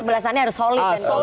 kecebelasannya harus solid